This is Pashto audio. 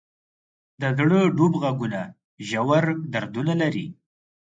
د زړه ډوب ږغونه ژور دردونه لري.